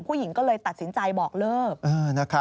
ผู้หญิงก็เลยตัดสินใจบอกเลิก